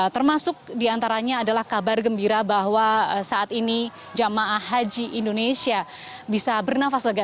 termasuk diantaranya adalah kabar gembira bahwa saat ini jamaah haji indonesia bisa bernafas lega